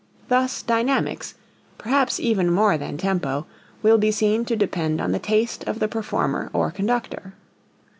Thus dynamics, perhaps even more than tempo, will be seen to depend on the taste of the performer or conductor.